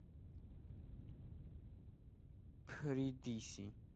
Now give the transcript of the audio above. ფრიდრიხ ბადენელი დაქორწინებული არ იყო და არც შვილები ჰყავდა.